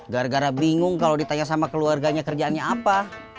gara gara bingung kalau ditanya sama keluarganya kerjaannya apa